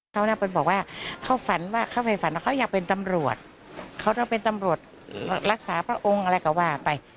เขาบอกว่าเขาฝันว่าเขาไปฝันว่าเขาอยากเป็นตำรวจเขาต้องเป็นตำรวจรักษาพระองค์อะไรก็ว่าไป